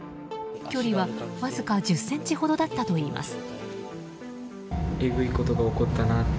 距離はわずか１０ｃｍほどだったといいます。